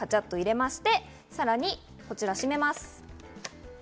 カチャっと入れまして、さらにこちらを閉めます。